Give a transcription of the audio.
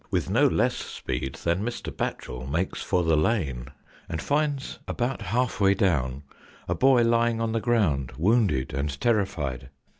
With no less speed does Mr. Batchel make for the lane, and finds about half way down a boy lying on the ground wounded and terrified.